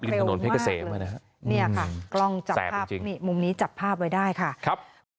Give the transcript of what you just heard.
เร็วมากเลยนี่ค่ะกล้องจับภาพนี่มุมนี้จับภาพไว้ได้ค่ะครับ